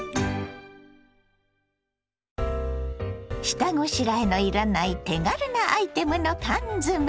下ごしらえのいらない手軽なアイテムの缶詰。